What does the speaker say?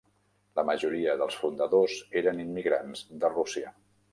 La majoria dels fundadors eren immigrants de Rússia.